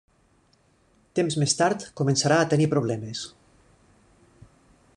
Temps més tard, començarà a tenir problemes.